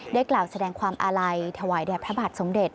กล่าวแสดงความอาลัยถวายแด่พระบาทสมเด็จ